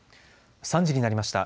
３時になりました。